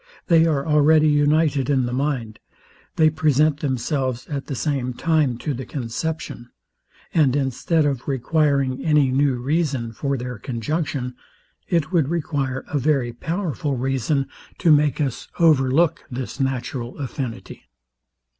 They are already united in the mind: They present themselves at the same time to the conception; and instead of requiring any new reason for their conjunction, it would require a very powerful reason to make us over look this natural affinity.